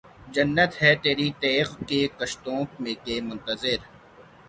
جنت ہے تیری تیغ کے کشتوں کی منتظر